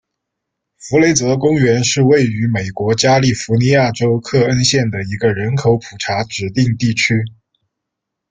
弗雷泽公园是位于美国加利福尼亚州克恩县的一个人口普查指定地区。